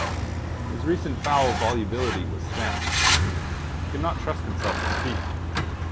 His recent foul volubility was stemmed. He could not trust himself to speak.